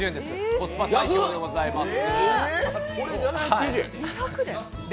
コスパ最強でございます。